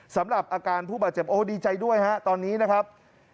สำหรับอาการผู้บาดเจ็บโอ้ดีใจด้วยฮะตอนนี้นะครับ